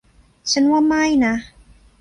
ฉันว่าไม่นะ